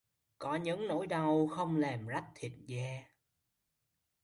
Có những nỗi đau không làm rách thịt da